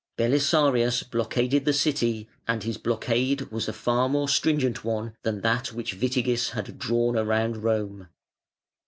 Belisarius blockaded the city, and his blockade was a far more stringent one than that which Witigis had drawn around Rome.